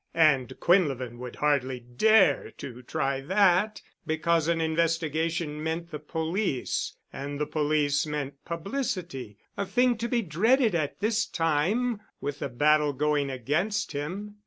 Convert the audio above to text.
And Quinlevin would hardly dare to try that, because an investigation meant the police, and the police meant publicity—a thing to be dreaded at this time with the battle going against him.